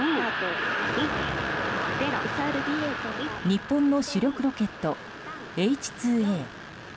日本の主力ロケット、Ｈ２Ａ。